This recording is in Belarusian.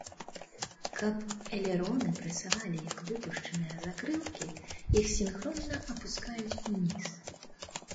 Каб элероны працавалі як выпушчаныя закрылкі, іх сінхронна апускаюць уніз.